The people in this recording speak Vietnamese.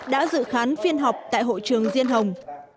đã dự khán phiên họp tại hội trường diên hồng